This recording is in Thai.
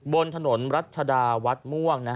บนถนนรัชดาวัดม่วง